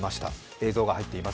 映像が入っています。